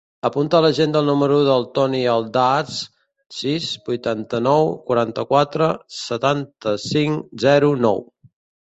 Apunta a l'agenda el número del Toni Aldaz: sis, vuitanta-nou, quaranta-quatre, setanta-cinc, zero, nou.